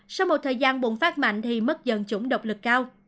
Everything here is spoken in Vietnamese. sau một thời gian bùng phát mạnh thì mất dần trũng độc lực cao